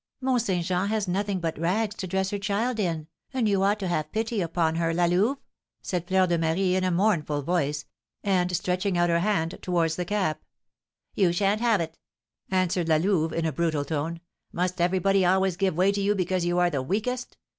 "Mont Saint Jean has nothing but rags to dress her child in, and you ought to have pity upon her, La Louve," said Fleur de Marie, in a mournful voice, and stretching out her hand towards the cap. "You sha'n't have it!" answered La Louve, in a brutal tone; "must everybody always give way to you because you are the weakest?